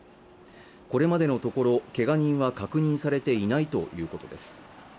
これまでのところけが人は確認されていないということです